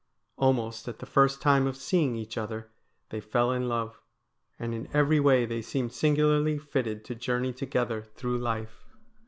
Almost at the first time of seeing each other they fell in love ; and in every way they seemed singularly fitted to journey together through life.